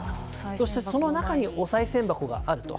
そして、その中におさい銭箱があると。